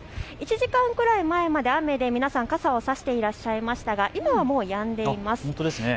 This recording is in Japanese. １時間くらい前まで雨で皆さん傘を差していらっしゃいましたが今はもうやんでいます。